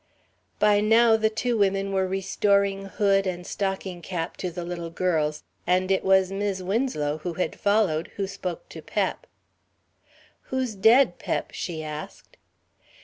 By now the two women were restoring hood and stocking cap to the little girls, and it was Mis' Winslow, who had followed, who spoke to Pep. "Who's dead, Pep?" she asked.